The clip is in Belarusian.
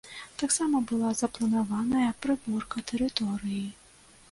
Таксама была запланаваная прыборка тэрыторыі.